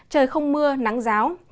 trời không mưa nắng ráo